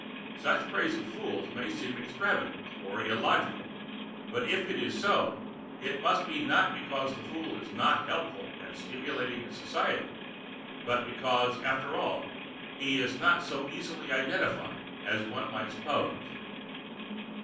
Such praise of fools may seem extravagant or illogical, but if it is so, it must be not because the fool is not helpful and stimulating in society, but because, after all, he is not so easily identified as one might suppose.